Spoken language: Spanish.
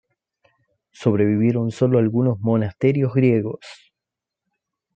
Sobrevivieron solo algunos monasterios griegos.